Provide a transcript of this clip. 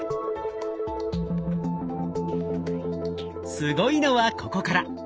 すごいのはここから！